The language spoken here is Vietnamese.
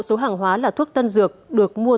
số hàng hóa là thuốc tân dược được mua